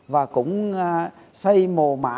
và cũng xây mồ mã